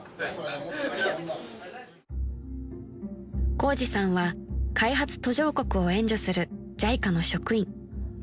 ［宏治さんは開発途上国を援助するＪＩＣＡの職員］